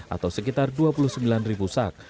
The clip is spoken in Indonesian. atau sekitar dua puluh sembilan ribu sak